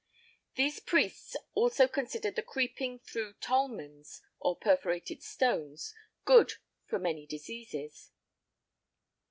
These priests also considered the creeping through tolmens (or perforated stones) good for many diseases.